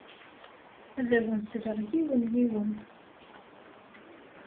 Ad awen-sleɣ yiwen, yiwen.